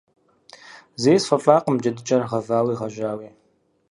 Зэи сфӏэфӏакъым джэдыкӏэр гъэвауи гъэжьауи.